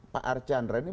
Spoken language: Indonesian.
pak archandra ini